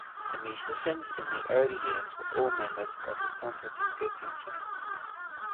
The musicians in the early years were all members of the San Francisco Symphony.